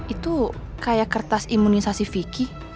itu kayak kertas imunisasi vicky